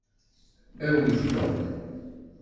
Awit Tom.